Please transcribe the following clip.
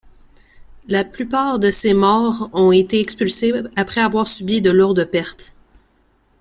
La plupart de ces Maures ont été expulsés après avoir subi de lourdes pertes.